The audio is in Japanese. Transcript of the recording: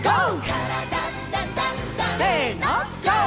「からだダンダンダン」せのＧＯ！